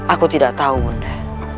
aku tidak tahu bunda